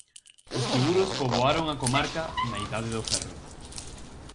Os tiburos poboaron a comarca na Idade do Ferro.